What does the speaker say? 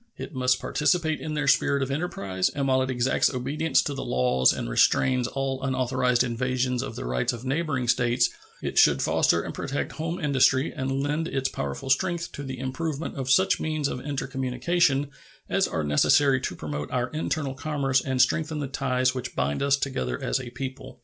It must participate in their spirit of enterprise, and while it exacts obedience to the laws and restrains all unauthorized invasions of the rights of neighboring states, it should foster and protect home industry and lend its powerful strength to the improvement of such means of intercommunication as are necessary to promote our internal commerce and strengthen the ties which bind us together as a people.